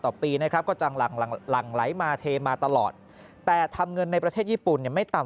ต่อปีนะครับก็จังหลั่งไหลมาเทมาตลอดแต่ทำเงินในประเทศญี่ปุ่นเนี่ยไม่ต่ำ